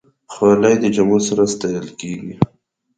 خولۍ د جامو سره ستایل کېږي.